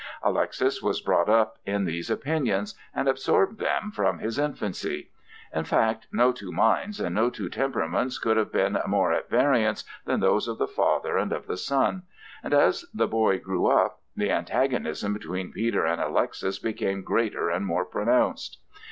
Alexis was brought up in these opinions and absorbed them from his infancy. In fact no two minds, and no two temperaments could have been more at variance than those of the father and of the son; and, as the boy grew up, the antagonism between Peter and Alexis became greater and more pronounced.